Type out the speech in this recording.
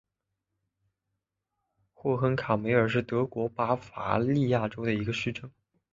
霍亨卡梅尔是德国巴伐利亚州的一个市镇。